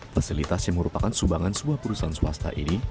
fasilitas yang merupakan sumbangan sebuah perusahaan swasta ini